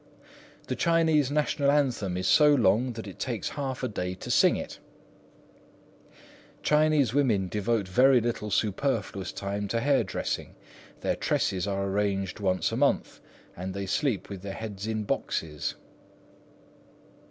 "The Chinese National Anthem is so long that it takes half a day to sing it." "Chinese women devote very little superfluous time to hair dressing. Their tresses are arranged once a month, and they sleep with their heads in boxes."